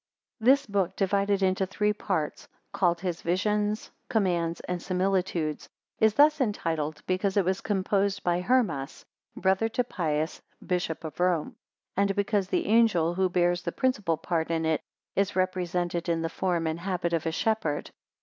[This book, divided into three parts, called his VISIONS, COMMANDS, and SIMILITUDES, is thus entitled, because it was composed by Hermas, brother to Pius, bishop of Rome; and because the Angel, who bears the principal part in it, is represented in the form and habit of a shepherd.